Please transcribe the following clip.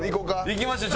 いきましょう。